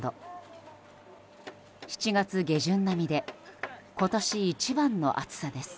７月下旬並みで今年一番の暑さです。